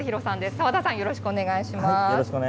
沢田さん、よろしくお願いします。